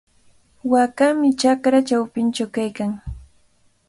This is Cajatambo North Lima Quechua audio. Waakami chakra chawpinchaw kaykan.